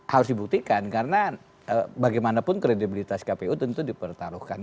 harus dibuktikan karena bagaimanapun kredibilitas kpu tentu dipertaruhkan